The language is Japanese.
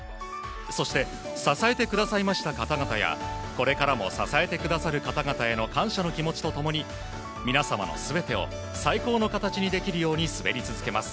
そして、支えてくださいました方々やこれからも支えてくださる方々への感謝の気持ちと共に皆様の全てを最高の形にできるように滑り続けます。